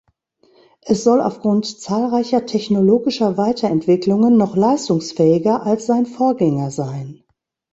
Es soll aufgrund zahlreicher technologischer Weiterentwicklungen noch leistungsfähiger als sein Vorgänger sein.